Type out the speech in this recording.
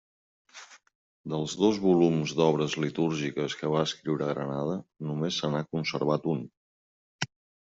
Dels dos volums d'obres litúrgiques que va escriure a Granada, només se n'ha conservat un.